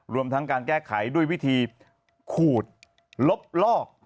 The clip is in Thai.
รวมทั้งการแก้ไขด้วยวิธีขูดลบลอก